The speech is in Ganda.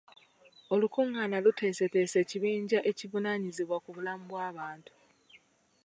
Olukungana luteesetese ekibinja ekivunaanyizibwa ku bulamu bw'abantu.